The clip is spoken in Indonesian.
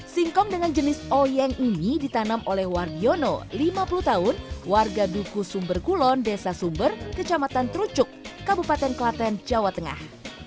singkong dengan jenis oyeng ini ditanam oleh wargiono lima puluh tahun warga duku sumber kulon desa sumber kecamatan trucuk kabupaten klaten jawa tengah